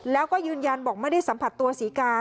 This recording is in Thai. แล้วก็ยืนยันบอกไม่ได้สัมผัสตัวศรีกา